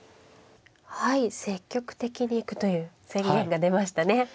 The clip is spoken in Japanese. はい積極的に行くという宣言が出ましたね。